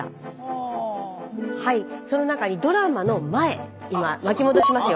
その中にドラマの前今巻き戻しますよ。